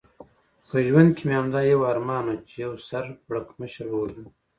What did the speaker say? په ژوند کې مې همدا یو ارمان و، چې یو سر پړکمشر ووژنم.